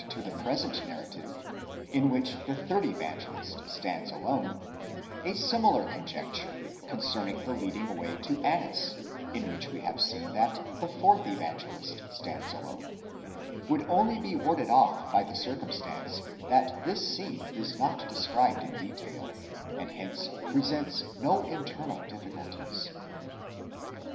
673 to the present narrative, in which the third Evangelist stands alone, a similar conjecture concerning the leading away to Annas, in which we have seen that the fourth Evangelist stands alone, would only be warded off by the circum stance that this scene is not described in detail, and hence presents no inter nal difficulties.